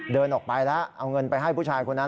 เดินออกไปแล้วเอาเงินไปให้ผู้ชายคนนั้น